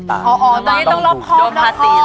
ตรงนี้ต้องรอบครอบ